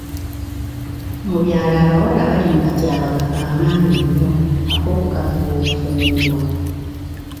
Mu byalo, abawala bali mu katyabaga k'amaanyi nnyo ak'okukakibwa okufumbirwa.